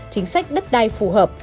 chính sách đất đai phù hợp